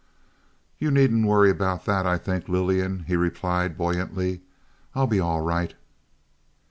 "You needn't worry about that, I think, Lillian," he replied, buoyantly. "I'll be all right."